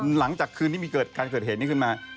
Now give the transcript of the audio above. หลังจากคืนนี้มีการเกิดเหตุนี้ขึ้นมา